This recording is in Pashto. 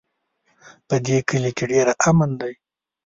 په دې کلي کې ډېر امن ده